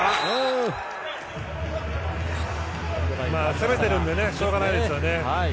攻めているのでしょうがないですね。